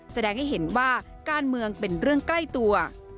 แสดงให้เห็นว่าการเมืองเป็นเรื่องใกล้ตัว